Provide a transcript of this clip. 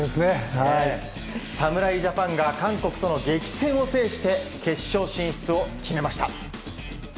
侍ジャパンが韓国との激戦を制して決勝進出を決めました。